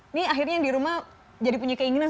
ini akhirnya yang di rumah jadi punya keinginan